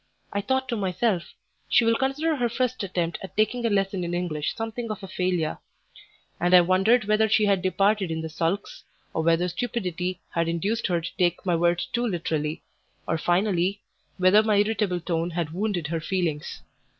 I thought to myself, "She will consider her first attempt at taking a lesson in English something of a failure;" and I wondered whether she had departed in the sulks, or whether stupidity had induced her to take my words too literally, or, finally, whether my irritable tone had wounded her feelings.